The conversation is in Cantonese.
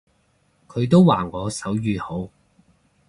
佢都話我手語好